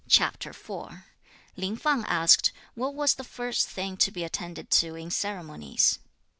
Lin Fang asked what was the first thing to be attended to in ceremonies.